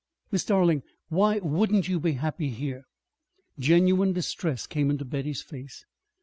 "Miss Darling, why wouldn't you be happy here?" Genuine distress came into Betty's face.